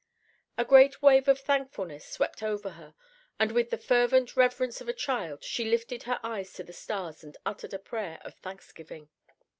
A great wave of thankfulness swept over her, and with the fervent reverence of a child, she lifted her eyes to the stars and uttered a prayer of thanksgiving.